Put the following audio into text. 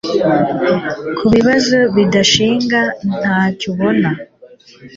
Ku kibazo kidashinga ntacyu ubona;